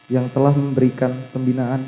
yang telah memberikan pembinaan